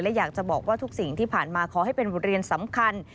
และอยากจะบอกว่าทุกสิ่งที่ผ่านมาขอให้เป็นบทเรียนสำคัญ